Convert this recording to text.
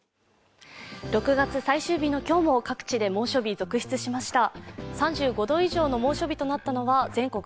６月最終日の今日も各地で猛暑日続出しました。